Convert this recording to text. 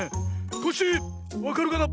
コッシーわかるかな？